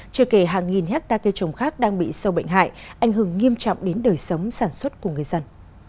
chưa kể hàng nghìn hectare cây trồng khác đang bị sâu bệnh hại ảnh hưởng nghiêm trọng đến đời sống sản xuất của người dân